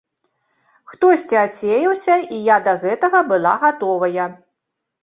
Хтосьці адсеяўся, і я да гэтага была гатовая.